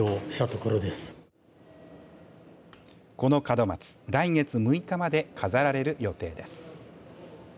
この門松、来月６日まで飾られる予定です。